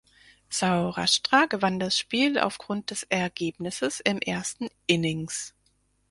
Saurashtra gewann das Spiel auf Grund des Ergebnisses im ersten Innings.